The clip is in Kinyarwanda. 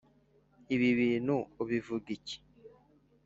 Ibibintu ubivuga iki